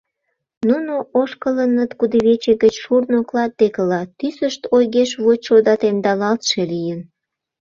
Нуно ошкылыныт кудывече гыч шурно клат декыла, тӱсышт ойгеш вочшо да темдалалтше лийын.